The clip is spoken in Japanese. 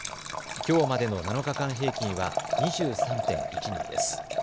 きょうまでの７日間平均は２３．１人です。